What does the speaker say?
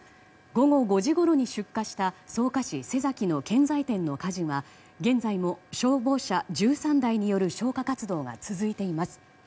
午後５時ごろに出火した草加市瀬崎の建材店の火事は現在も消防車１３台による消火活動が続いています。